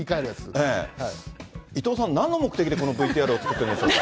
伊藤さん、なんの目的でこのＶＴＲを作ってるんでしょうか。